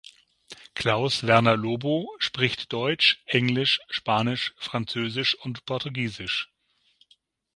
Klaus Werner-Lobo spricht Deutsch, Englisch, Spanisch, Französisch und Portugiesisch.